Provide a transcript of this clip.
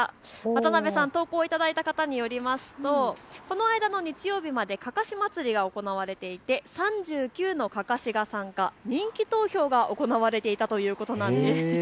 渡邊さん、投稿を頂いた方によりますとこの間の日曜日までかかし祭りが行われていて３９のかかしが参加、人気投票が行われていたということなんです。